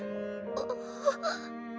あっ。